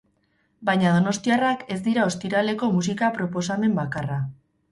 Baina donostiarrak ez dira ostiraleko musika proposamen bakarra.